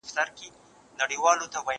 پوښتنه د زده کوونکي له خوا کيږي!